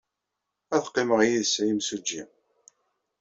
Ad qqimeɣ yid-s a imsujji.